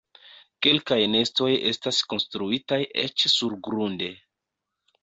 Kelkaj nestoj estas konstruitaj eĉ surgrunde.